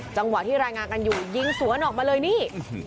จังหวะที่รายงานกันอยู่ยิงสวนออกมาเลยนี่